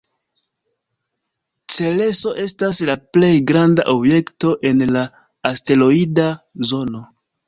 Cereso estas la plej granda objekto en la asteroida zono.